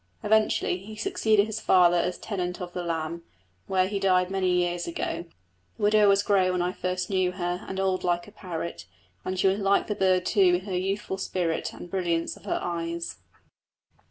Eventually he succeeded his father as tenant of the Lamb, where he died many years ago; the widow was grey when I first knew her and old like her parrot; and she was like the bird too in her youthful spirit and the brilliance of her eyes.